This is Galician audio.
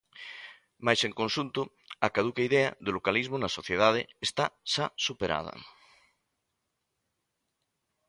Mais, en conxunto, a caduca idea do localismo na sociedade está xa superada.